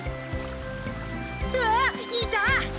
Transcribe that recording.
わっいた！